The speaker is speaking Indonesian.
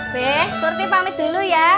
be sur ti pamit dulu ya